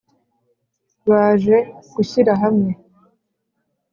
Baje gushyira hamwe